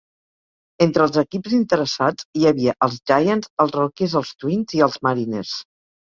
Entre els equips interessats hi havia els Giants, els Rockies, els Twins, i els Mariners.